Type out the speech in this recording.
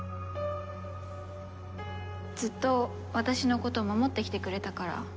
ずっと私の事守ってきてくれたから。